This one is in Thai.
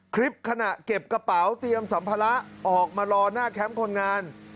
คลิปขณะเก็บกระเป๋าเตรียมสัมภาระออกมารอหน้าแคมป์คนงาน